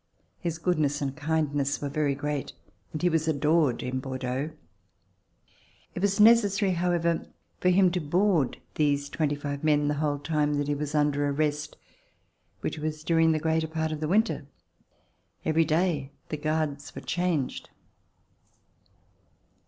His goodness and kindness were very great and he was adored in Bordeaux. It was necessary, however, for him to board these twenty five men the whole time that he was under arrest, which was during the greater part of the winter. Every day the guards were changed.